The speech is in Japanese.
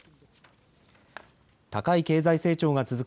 高い経済成長が続く